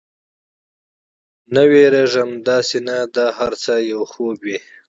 نه، وېرېږم، داسې نه دا هر څه یو خوب وي.